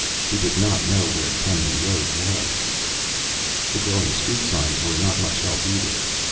He did not know where Kenman Road was. The glowing street signs were not much help either.